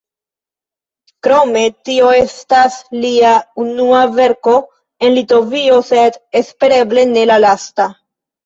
Krome, tio estas lia unua verko en Litovio, sed, espereble, ne la lasta.